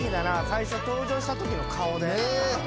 最初登場したときの顔で。